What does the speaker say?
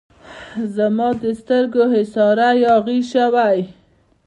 زما د سترګو د حصاره یاغي شوی